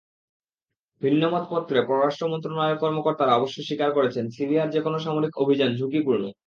ভিন্নমতপত্রে পররাষ্ট্র মন্ত্রণালয়ের কর্মকর্তারা অবশ্য স্বীকার করেছেন, সিরিয়ায় যেকোনো সামরিক অভিযান ঝুঁকিপূর্ণ।